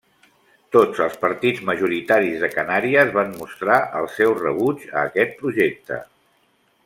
Tots els partits majoritaris de Canàries van mostrar el seu rebuig a aquest projecte.